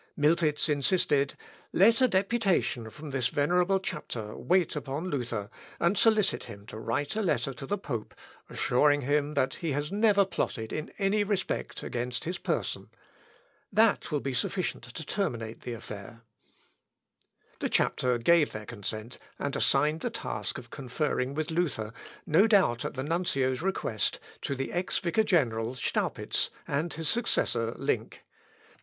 Miltitz insisted, "Let a deputation from this venerable Chapter wait upon Luther, and solicit him to write a letter to the pope, assuring him that he has never plotted in any respect against his person. That will be sufficient to terminate the affair." The Chapter gave their consent, and assigned the task of conferring with Luther, no doubt at the nuncio's request, to the ex vicar general, Staupitz, and his successor Link.